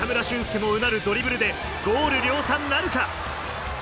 もうなるドリブルでゴール量産なるか？